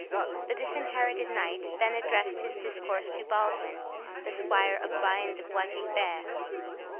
The Disinherited Knight then addressed his discourse to Baldwin, the squire of Brian de Bois Guilbert.